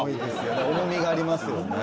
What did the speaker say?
重みがありますよね。